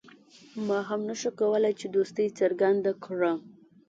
ما هم نه شو کولای چې دوستي څرګنده کړم.